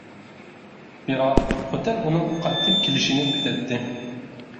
بىراق خوتەن ئۇنىڭ قايتىپ كېلىشىنى كۈتەتتى.